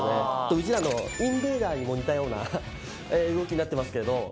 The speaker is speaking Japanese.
うちらのインベーダーにも似たような動きになってますけど。